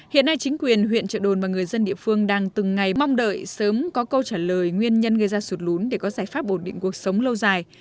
hiện nay chính quyền huyện trợ đồn và người dân địa phương đang từng ngày mong đợi sớm có câu trả lời nguyên nhân gây ra sụt lún để có giải pháp ổn định cuộc sống lâu dài